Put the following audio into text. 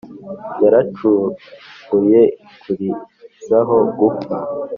yaracumuye ikurizaho gupfa.